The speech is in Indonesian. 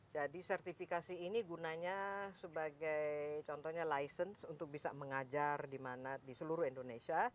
jadi sertifikasi ini gunanya sebagai contohnya license untuk bisa mengajar di seluruh indonesia